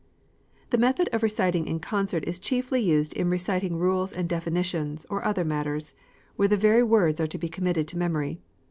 The method of reciting in concert is chiefly useful in reciting rules and definitions, or other matters, where the very words are to be committed to memory.